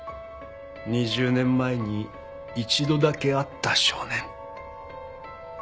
２０年前に一度だけ会った少年。